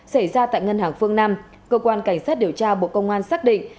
xảy ra tại ngân hàng phương nam cơ quan cảnh sát điều tra bộ công an xác định